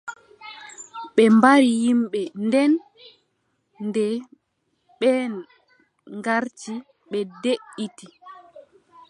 Ɓe mbari yimɓe. Nden, nde ɓen garti ɓe deʼiti.